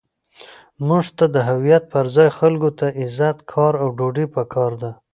موږ ته د هویت پر ځای خلکو ته عزت، کار، او ډوډۍ پکار ده.